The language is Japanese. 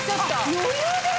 余裕です！